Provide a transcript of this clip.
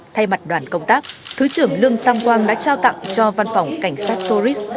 thay mặt đoàn công tác thứ trưởng lương tam quang đã trao tặng cho văn phòng cảnh sát tourist